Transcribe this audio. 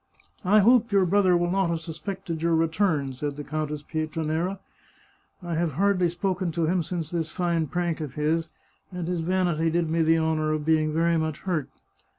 " I hope your brother will not have suspected your re turn !" said the Countess Pietranera. " I have hardly 80 The Chartreuse of Parma spoken to him since this fine prank of his, and his vanity did me the honour of being very much hurt.